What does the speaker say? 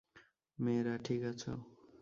মেয়েরা, ঠিক আছো?